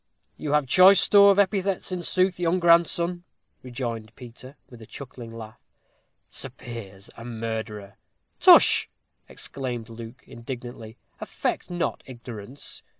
"You have choice store of epithets, in sooth, good grandson," rejoined Peter, with a chuckling laugh. "Sir Piers a murderer!" "Tush!" exclaimed Luke, indignantly, "affect not ignorance.